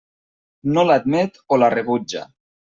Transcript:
No l'admet o la rebutja.